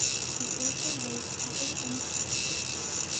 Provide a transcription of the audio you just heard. He also raised cattle and sheep.